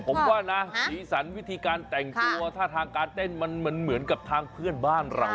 ผมว่านะสีสันวิธีการแต่งตัวท่าทางการเต้นมันเหมือนกับทางเพื่อนบ้านเรา